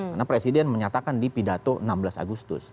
karena presiden menyatakan di pidato enam belas agustus